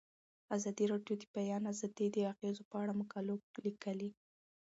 ازادي راډیو د د بیان آزادي د اغیزو په اړه مقالو لیکلي.